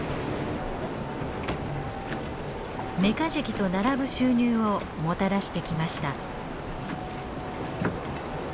メカジキと並ぶ収入をもたらしてきました。